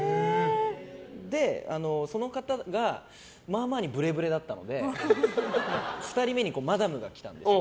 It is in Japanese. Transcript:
で、その方がまあまあにぶれぶれだったので２人目にマダムが来たんですよ。